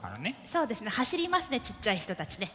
そうですね走りますねちっちゃい人たちね。